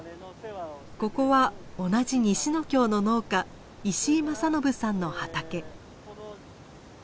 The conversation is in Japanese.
ここは同じ西ノ京の農家石井政伸さんの畑。